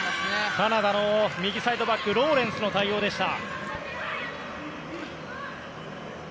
カナダの右サイドバックローレンスの対応でした。